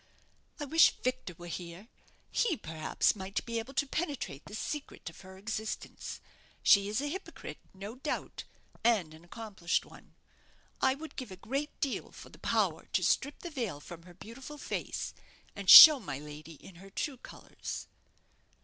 I wish Victor were here. He, perhaps, might be able to penetrate the secret of her existence. She is a hypocrite, no doubt; and an accomplished one. I would give a great deal for the power to strip the veil from her beautiful face, and show my lady in her true colours!"